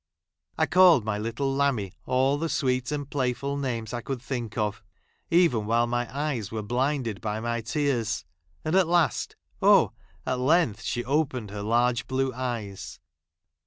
I called my little lammie all the ! sweet and playful names I could think of, — I even while my eyes were blinded by my tears ; and at last, oh ! at length she opened her large blue eyes.